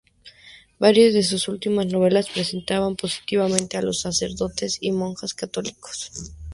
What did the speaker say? Varias de sus últimas novelas presentaban positivamente a los sacerdotes y monjas católicos.